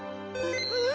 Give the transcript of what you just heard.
うん！